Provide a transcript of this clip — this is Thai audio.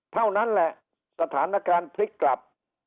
เท่านั้นแหละสถานการณ์พลิกกลับ